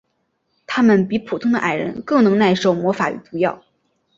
他们比普通的矮人更能耐受魔法与毒药。